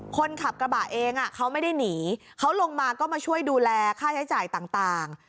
คนขับกระบะเองเขาไม่ได้หนีเขาลงมาก็มาช่วยดูแลค่าใช้จ่ายต่าง